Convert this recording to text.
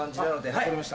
分かりました。